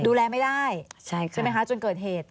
ดูแลไม่ได้ใช่ไหมคะจนเกิดเหตุ